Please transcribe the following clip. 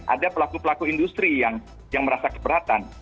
ada pelaku pelaku industri yang merasa keberatan